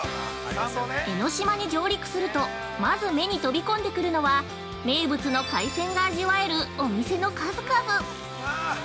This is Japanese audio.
◆江の島に上陸するとまず、目に飛び込んでくるのは名物の海鮮が味わえるお店の数々。